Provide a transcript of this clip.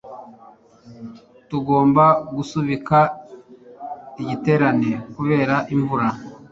tugomba gusubika igiterane kubera imvura